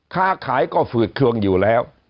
ค้าขายก็ฝืดเครื่องอยู่แล้ว